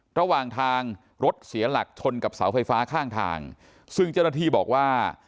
ระหว่างทางรถเสียหลักชนกับเสาไฟฟ้าข้างทางซึ่งเจ้าหน้าที่บอกว่า